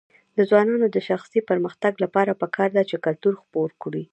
د ځوانانو د شخصي پرمختګ لپاره پکار ده چې کلتور خپور کړي.